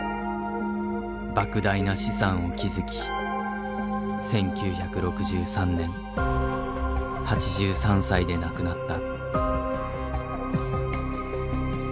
ばく大な資産を築き１９６３年８３歳で亡くなった。